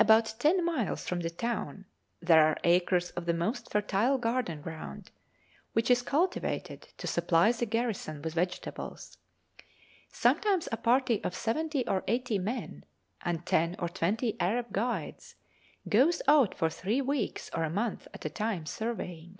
About ten miles from the town there are acres of the most fertile garden ground, which is cultivated to supply the garrison with vegetables. Sometimes a party of seventy or eighty men, and ten or twenty Arab guides, goes out for three weeks or a month at a time surveying.